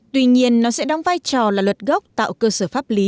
tuy nhiên nó sẽ đóng vai trò là luật gốc tạo cơ sở pháp lý